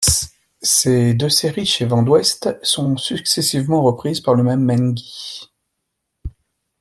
Ses deux séries chez Vents d'Ouest sont successivement reprises par le même Mainguy.